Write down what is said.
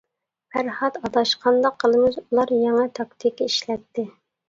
-پەرھات ئاداش، قانداق قىلىمىز؟ ئۇلار يېڭى تاكتىكا ئىشلەتتى.